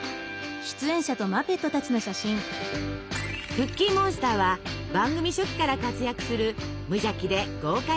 クッキーモンスターは番組初期から活躍する無邪気で豪快なキャラクター。